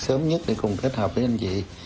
sớm nhất để cùng kết hợp với anh chị